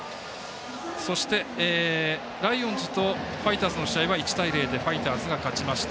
そして、ライオンズとファイターズの試合は１対０でファイターズが勝ちました。